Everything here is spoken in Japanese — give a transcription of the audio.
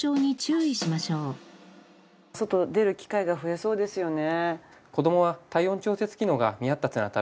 外出る機会が増えそうですよね。